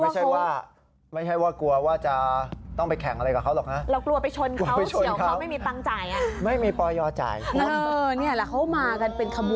ไม่ใช่ว่าไม่ใช่ว่ากลัวว่าจะต้องไปแข่งอะไรกับเขาหรอกนะ